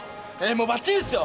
もうバッチリですよ。